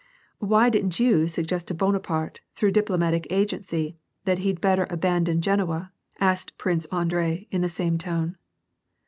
" Why didn't you suggest to Bonaparte, through diplomatic agency, that he'd better abandon Genoa," asked Prince Andrei, in the same tone.